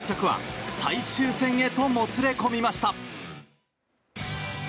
決着は最終戦へともつれ込みました。